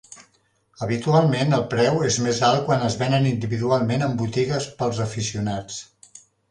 Habitualment el preu és més alt quan es venen individualment en botigues pels aficionats.